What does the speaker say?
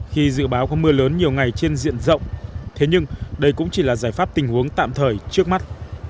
khi dự báo có mưa lớn nhiều ngày trên diện rộng thế nhưng đây cũng chỉ là giải pháp tình huống tạm thời trước mắt